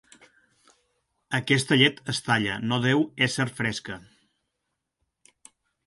Aquesta llet es talla, no deu ésser fresca.